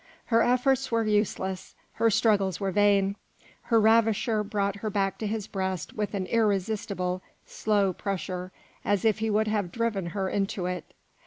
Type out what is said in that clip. Her efforts were useless, her struggles were vain. Her ravisher brought her back to his breast with an irresistible, slow pressure, as if he would have driven her into it.